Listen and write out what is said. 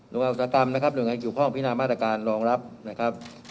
โรงงานอุตสาธารณ์นะครับหรืออย่างไรเกี่ยวกับข้องพินามอาจารย์การรองรับนะครับ